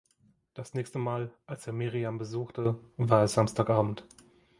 Das nächste Mal, als er Miriam besuchte, war es Samstagabend.